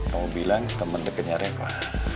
kamu bilang temen deketnya reva